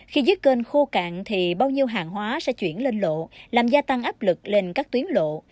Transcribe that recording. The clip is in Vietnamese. khi dưới kênh khô cạn thì bao nhiêu hàng hóa sẽ chuyển lên lộ làm gia tăng áp lực lên các tuyến lộ